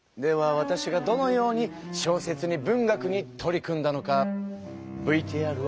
わたしがどのように小説に文学に取り組んだのかＶＴＲを。